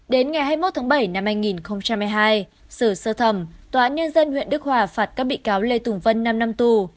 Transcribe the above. đến ngày hai mươi một tháng bảy năm hai nghìn hai mươi hai xử sơ thẩm tòa án nhân dân huyện đức hòa phạt các bị cáo lê tùng vân năm năm tù